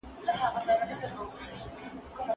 که انلاین کورس وي نو هیله نه ختمیږي.